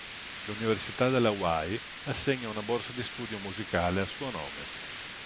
L'Università delle Hawaii assegna una borsa di studio musicale a suo nome.